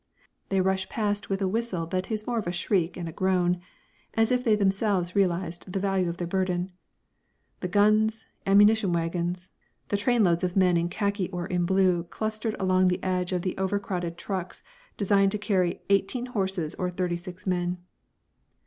They rush past with a whistle that is more of a shriek and a groan, as if they themselves realised the value of their burden the guns, the ammunition wagons, the trainloads of men in khaki or in blue clustered along the edge of the overcrowded trucks designed to carry "eighteen horses or thirty six men."